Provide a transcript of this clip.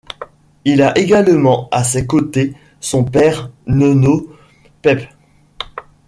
Il a également à ses côtés son père nonno Peppe.